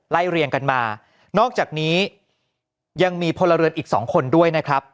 เรียงกันมานอกจากนี้ยังมีพลเรือนอีกสองคนด้วยนะครับ